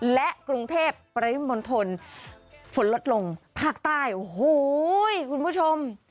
และกรุงเทพปริมณฑลฝนลดลงภาคใต้โอ้โหคุณผู้ชม